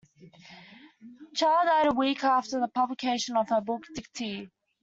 Cha died a week after the publication of her book Dictee.